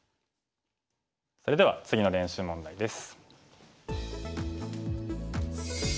それでは次の練習問題です。